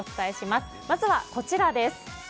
まずは、こちらです。